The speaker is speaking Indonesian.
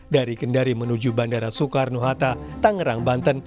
dari kendari menuju bandara soekarno hatta tangerang banten